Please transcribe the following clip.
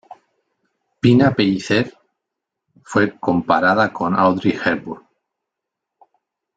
Pina Pellicer fue comparada con Audrey Hepburn.